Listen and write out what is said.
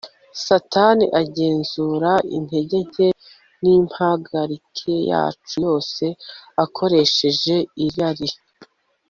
Satani agenzura intekerezo nimpagarike yacu yose akoresheje irari